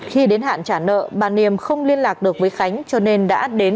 khi đến hạn trả nợ bà niềm không liên lạc được với khánh cho nên đã đến